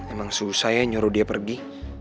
emang susah ya nyuruh dia pergi